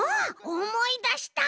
おもいだした。